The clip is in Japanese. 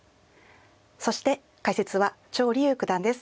そして解説は張豊九段です。